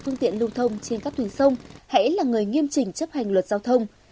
phương tiện lưu thông trên các tuyến sông hãy là người nghiêm trình chấp hành luật giao thông